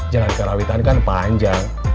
jalan karawitan kan panjang